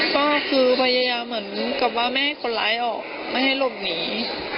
ก็คือพยายามเหมือนกับว่าไม่ให้คนร้ายออกไม่ให้หลบหนี